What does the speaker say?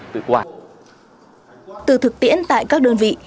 từ thực tiễn tại các đơn vị